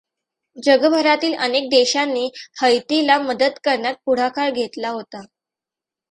जगभरातील अनेक देशांनी हैतीला मदत करण्यात पुढाकार घेतला होता.